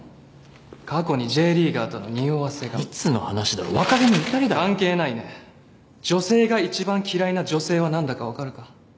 過去にＪリーガーとの匂わせがいつの話だよ若気の至りだ関係ないね女性が一番嫌いな女性はなんだかわかるか？